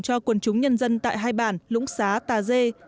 dân tại hai bản lũng xá tà dê